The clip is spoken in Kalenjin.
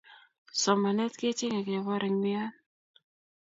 somanetab kechengee keboor eng wian